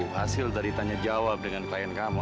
hasil dari tanya jawab dengan klien kamu